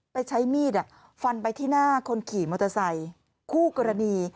ไปใช้มีดฟันไปที่หน้าคนขี่มอเตอร์ไซค์คู่กรณี